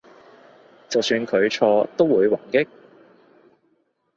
就算佢錯都會還擊？